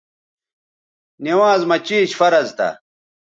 نِوانز مہ چیش فرض تھا